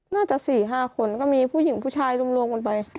น่าจะ๔๕คนก็มีผู้หญิงผู้ชายรวมกันไป